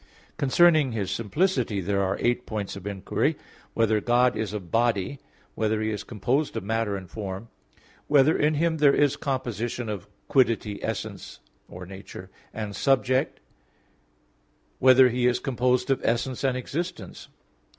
Concerning His simplicity, there are eight points of inquiry: (1) Whether God is a body? (2) Whether He is composed of matter and form? (3) Whether in Him there is composition of quiddity, essence or nature, and subject? (4) Whether He is composed of essence and existence?